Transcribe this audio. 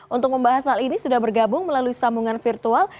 untuk membahas hal ini sudah bergabung melalui sambungan virtual